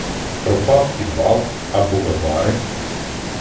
Пропав і вал — а булевари